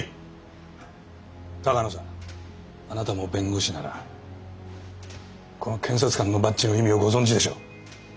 鷹野さんあなたも弁護士ならこの検察官のバッチの意味をご存じでしょう？